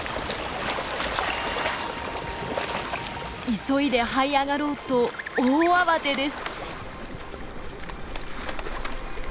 急いではい上がろうと大慌てです！